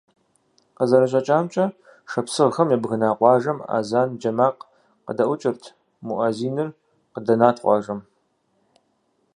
КъызэрыщӀэкӀамкӀэ, шапсыгъхэм ябгына къуажэм азэн джэ макъ къыдэӀукӀырт – муӀэзиныр къыдэнат къуажэм.